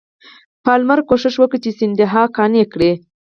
پالمر کوښښ وکړ چې سیندهیا قانع کړي.